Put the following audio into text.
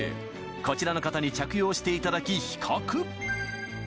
こちらの方に着用していただき比較